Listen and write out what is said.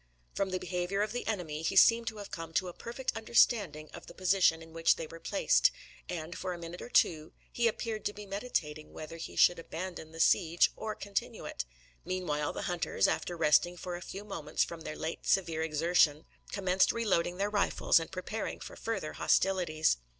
From the behaviour of the enemy, he seemed to have come to a perfect understanding of the position in which they were placed; and, for a minute or two, he appeared to be meditating whether he should abandon the siege, or continue it. Meanwhile, the hunters, after resting for a few moments from their late severe exertion, commenced reloading their rifles and preparing for further hostilities.